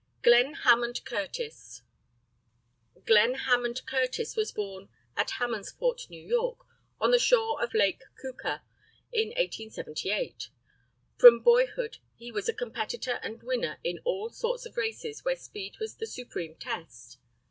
GLENN HAMMOND CURTISS. GLENN HAMMOND CURTISS was born at Hammondsport, N. Y., on the shore of Lake Keuka, in 1878. From boyhood he was a competitor and winner in all sorts of races where speed was the supreme test.